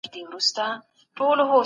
په دې منځ کي د سمي خبري ځای نسته.